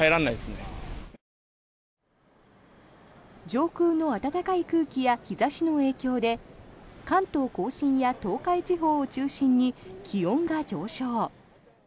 上空の暖かい空気や日差しの影響で関東・甲信や東海地方を中心に気温が上昇。